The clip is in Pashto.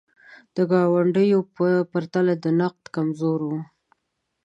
د ګاونډیو په پرتله د نقد کمزوري وه.